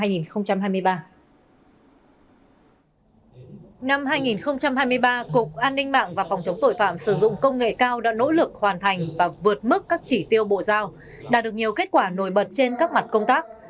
năm hai nghìn hai mươi ba cục an ninh mạng và phòng chống tội phạm sử dụng công nghệ cao đã nỗ lực hoàn thành và vượt mức các chỉ tiêu bộ giao đạt được nhiều kết quả nổi bật trên các mặt công tác